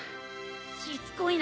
・しつこいな！